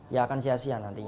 ya akan sia sia nantinya